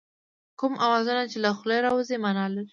کوم اوازونه چې له خولې راوځي مانا لري